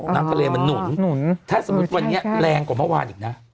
น้ำทะเลมันหนุนถ้าสมมุติวันนี้แรงกว่าเมื่อวานอีกนะ